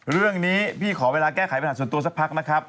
เรื่องนี้พี่ขอเวลาแก้ไขปัญหาส่วนตัวสักพักนะครับ